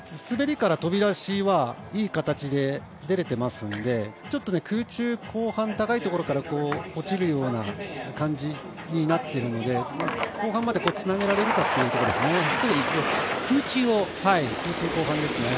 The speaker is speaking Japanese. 滑りから飛び出しはいい形で出れていますので空中、後半高い所から落ちるような感じになっているので後半までつなげられるかというところです。